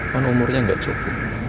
kan umurnya gak cukup